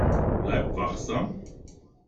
Bleib wachsam.